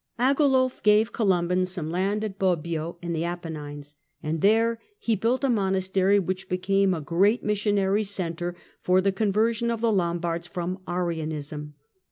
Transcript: Agilulf gave Columban some land at Bobbio in the Apennines ; and there he built a monastery which became a great missionary centre for the conversion of the Lombards from Arianism.